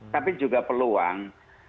tapi juga peluang